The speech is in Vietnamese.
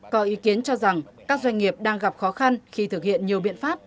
có ý kiến cho rằng các doanh nghiệp đang gặp khó khăn khi thực hiện nhiều biện pháp